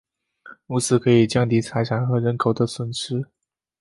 如此可以降低财产和人口的损失。